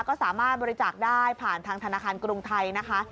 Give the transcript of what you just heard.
ก็สามารถบริจาคได้ผ่านทางธนาคารกรุงไทยนะคะ